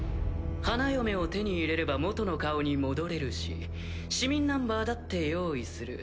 花嫁を手に入れれば元の顔に戻れるし市民ナンバーだって用意する。